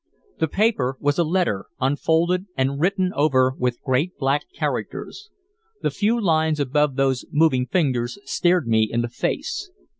The paper was a letter, unfolded and written over with great black characters. The few lines above those moving fingers stared me in the face.